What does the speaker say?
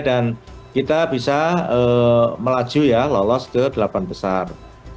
dan kita bisa melaju ya lolos ke delapan besar